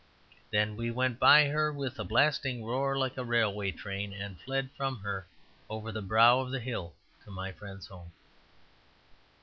Then we went by her with a blasting roar like a railway train, and fled far from her over the brow of the hill to my friend's home.